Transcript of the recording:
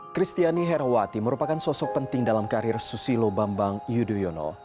kristiani herawati merupakan sosok penting dalam karir susilo bambang yudhoyono